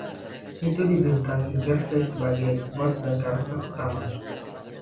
Itu dibintangi Gervais sebagai bos dan karakter utama.